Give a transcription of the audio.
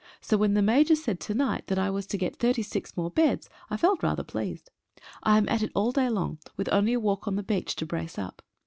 So when the Major said to night that I was to get thirty six more beds I felt rather pleased. I am at it all day long, with only a walk on the beach to brace up.